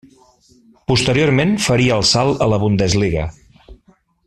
Posteriorment faria el salt a la Bundesliga.